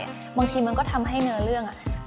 บางทีการเราเอาอารมณ์ของเราไปใส่ในเนื้อเรื่องมากเกินไป